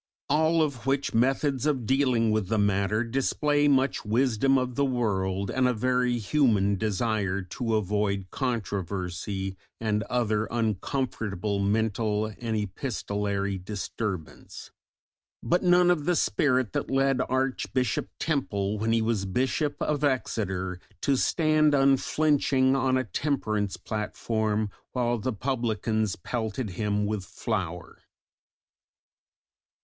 All of which methods of dealing with the matter display much wisdom of the world and a very human desire to avoid controversy and other uncomfortable mental and epistolary disturbance, but none of the spirit that led Archbishop Temple when he was Bishop of Exeter to stand unflinching on a temperance platform while the publicans pelted him with flour.